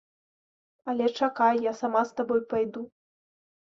Але чакай, я сама з табой пайду.